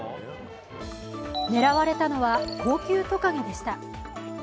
狙われたのは、高級トカゲでした